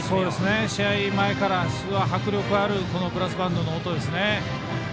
試合前から迫力あるブラスバンドの音ですね。